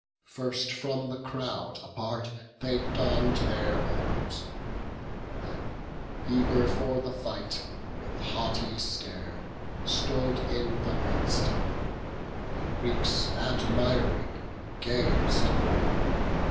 First, from the crowd apart, they donn'd their arms; Then, eager for the fight, with haughty stare Stood in the midst; the Greeks admiring gaz'd.